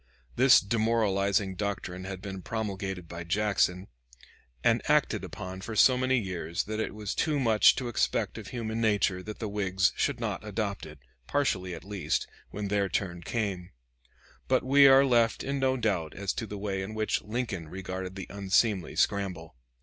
This demoralizing doctrine had been promulgated by Jackson, and acted upon for so many years that it was too much to expect of human nature that the Whigs should not adopt it, partially at least, when their turn came, But we are left in no doubt as to the way in which Lincoln regarded the unseemly scramble.